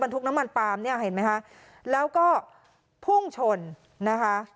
ทุกน้ำมันปาล์มเนี่ยเห็นไหมคะแล้วก็พุ่งชนนะคะ